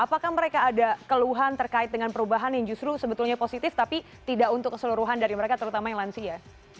apakah mereka ada keluhan terkait dengan perubahan yang justru sebetulnya positif tapi tidak untuk keseluruhan dari mereka terutama yang lansia